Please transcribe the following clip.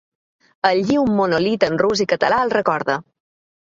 Allí un monòlit en rus i català el recorda.